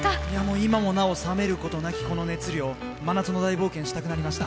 今もなお冷めることなき熱量真夏の大冒険したくなりました。